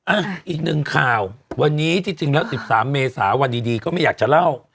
อ่ะอีกหนึ่งข่าววันนี้ที่จริงแล้ว๑๓เมษาวันดีก็ไม่อยากจะเล่า